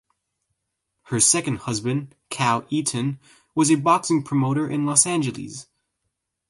Her second husband, Cal Eaton, was a boxing promoter in Los Angeles.